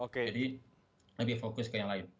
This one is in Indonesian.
jadi lebih fokus ke yang lain